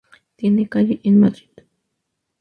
Tiene calle en Madrid.